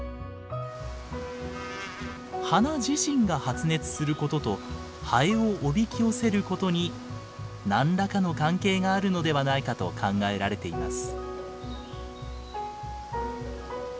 花自身が発熱することとハエをおびき寄せることに何らかの関係があるのではないかと考えられています。